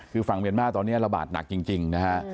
คือฝั่งเมียนมาร์ตอนนี้ระบาดหนักจริงนะฮะ